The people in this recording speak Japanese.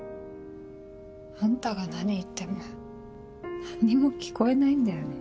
あんたが何言っても何にも聞こえないんだよね。